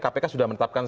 kpk sudah menetapkan